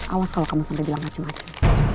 awas kalau kamu sampai bilang macem macem